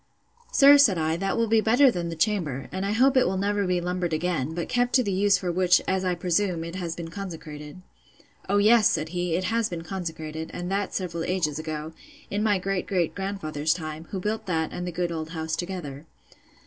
Sir, said I, that will be better than the chamber, and I hope it will never be lumbered again, but kept to the use for which, as I presume, it has been consecrated. O yes, said he, it has been consecrated, and that several ages ago, in my great great grandfather's time, who built that and the good old house together.